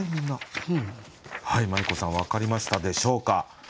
まい子さん分かりましたでしょうか。